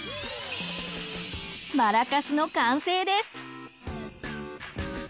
マラカスの完成です。